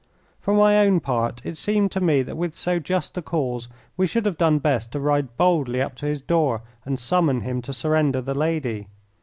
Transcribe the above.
For my own part it seemed to me that with so just a cause we should have done best to ride boldly up to his door and summon him to surrender the lady.